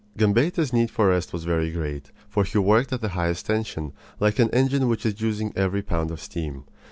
Gambetta's need of rest was very great, for he worked at the highest tension, like an engine which is using every pound of steam.